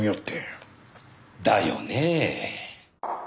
だよねぇ。